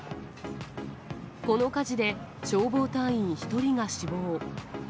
この火事で、消防隊員１人が死亡。